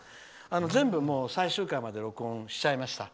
全部、最終回まで録音しちゃいました。